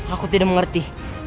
aku tidak mengerti